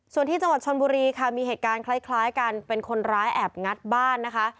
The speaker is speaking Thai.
ส่วนที่จังหวัดชนบุรีค่ะมีเหตุการณ์คล้ายกันเป็นคนร้ายแอบงัดบ้านนะคะ